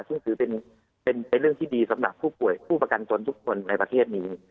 ซึ่งถือเป็นเรื่องที่ดีสำหรับผู้ป่วยผู้ประกันตนทุกคนในประเทศนี้